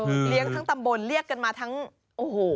เลี้ยงทั้งตำบลเรียกกันมาทั้งโอ้โห